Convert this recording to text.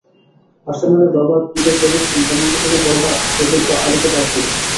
আর্সেনালের Robert Pires ভেবেছিলেন, penalty থেকে বলটা সতীর্থ অঁরিকে পাস দেবেন।